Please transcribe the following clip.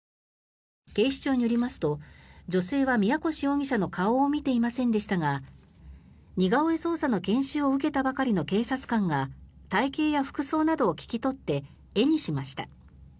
警視庁によりますと女性は宮腰容疑者の顔を見ていませんでしたが似顔絵捜査の研修を受けたばかりの警察官が体形や服装などを聞き取って絵にしました。